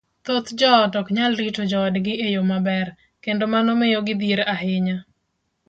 thoth joot ok nyal rito joodgi e yo maber, kendo mano miyo gidhier ahinya.